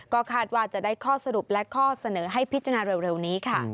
ก็คาดว่าจะได้ข้อสรุปและข้อเสนอให้พิจารณาเร็วนี้ค่ะ